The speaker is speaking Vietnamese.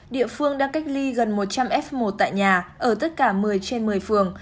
địa phương đã cách ly gần một trăm linh f một tại nhà ở tất cả một mươi trên một mươi phường